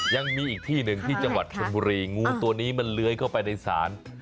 ยังมีอีกที่หนึ่งที่จังหวัดชนบุรีงูตัวนี้มันเลื้อยเข้าไปในศาล